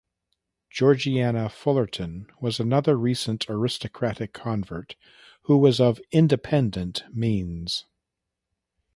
Georgiana Fullerton was another recent aristocratic convert who was of independent means.